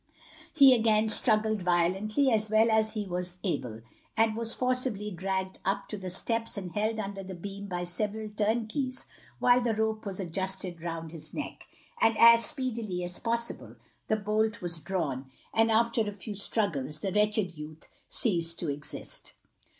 He again struggled violently as well as he was able, and was forcibly dragged up to the steps and held under the beam by several turnkeys while the rope was adjusted round his neck, and as speedily as possible the bolt was drawn, and after a few struggles the wretched youth ceased to exist.